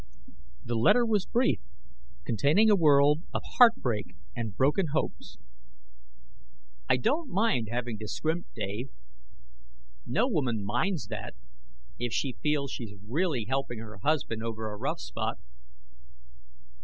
The letter was brief, containing a world of heartbreak and broken hopes. "I don't mind having to scrimp, Dave. No woman minds that if she feels she is really helping her husband over a rough spot.